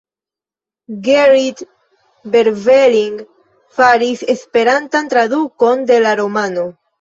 Gerrit Berveling faris esperantan tradukon de la romano.